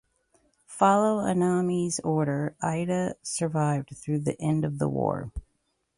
Following Anami's orders, Ida survived through the end of the war.